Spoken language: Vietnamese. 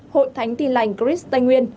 hội thánh tình lành chris tây nguyên